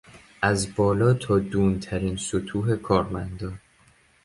از بالا تا دون ترین سطوح کارمندان